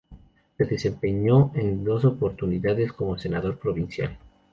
Se desempeñó en dos oportunidades como Senador Provincial.